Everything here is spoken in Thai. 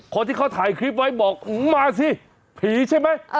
คนที่เขาถ่ายคลิปไว้บอกมาสิผีใช่ไหม